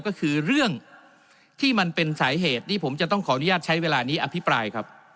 ก็คือเรื่องที่มันเป็นสาเหตุที่ผมจะต้องขออนุญาตใช้เวลานี้อภิปรายครับ